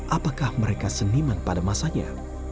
apakah mereka seniman pada masanya